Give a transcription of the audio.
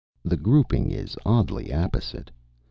The grouping is oddly apposite.